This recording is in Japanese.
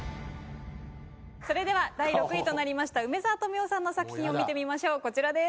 それでは第６位となりました梅沢富美男さんの作品を見てみましょうこちらです。